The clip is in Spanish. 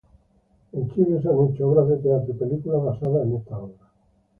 En Chile se han hecho obras de teatro y películas basadas en esta obra.